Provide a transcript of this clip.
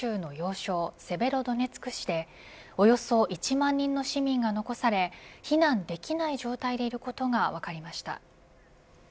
州の要衝セベロドネツク市でおよそ１万人の市民が残され避難できない状態でいることが分かりました。